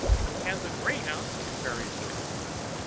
"And the greyhound," said the Parian girl.